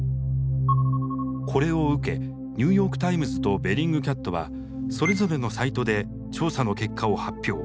これを受けニューヨーク・タイムズとベリングキャットはそれぞれのサイトで調査の結果を発表。